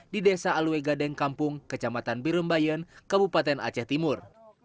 di desa aluegadeng kampung kecamatan birembayan kabupaten aceh timur